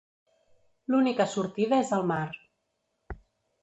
L'única sortida és el mar.